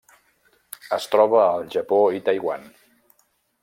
Es troba al Japó i Taiwan.